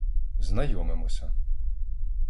Знайомимося.